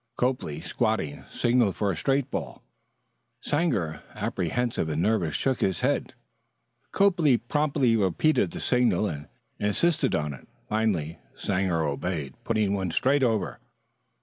Copley, squatting, signaled for a straight ball. Sanger, apprehensive and nervous, shook his head. Copley promptly repeated the signal, and insisted on it. Finally Sanger obeyed, putting one straight over.